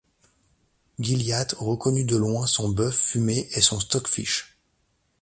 Gilliatt reconnut de loin son bœuf fumé et son stockfish.